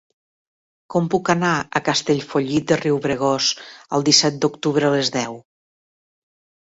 Com puc anar a Castellfollit de Riubregós el disset d'octubre a les deu?